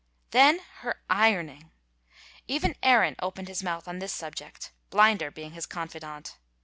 Then her ironing! Even Aaron opened his mouth on this subject, Blinder being his confidant.